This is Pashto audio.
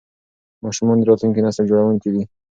ماشومان د راتلونکي نسل جوړونکي دي.